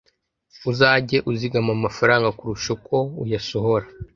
uzage uzigama amafaranga kurusha uko uyasohora